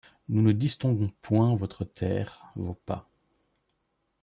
Nous ne distinguons point votre terre, vos pas